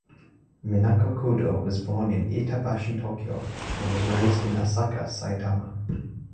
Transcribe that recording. Minako Kudo was born in Itabashi, Tokyo, and was raised in Asaka, Saitama.